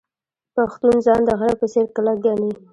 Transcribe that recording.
پښتون ځان د غره په څیر کلک ګڼي.